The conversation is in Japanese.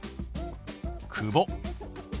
「久保」。